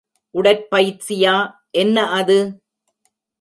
உடற்பயிற்சியா என்ன அது?